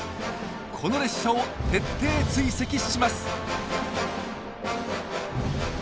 この列車を徹底追跡します。